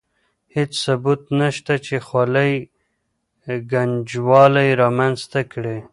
هېڅ ثبوت نشته چې خولۍ ګنجوالی رامنځته کړي.